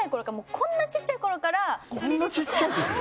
こんなちっちゃいとき？